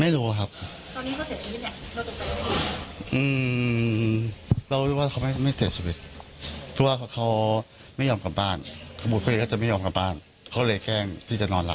เดี๋ยวฟังนะฮะ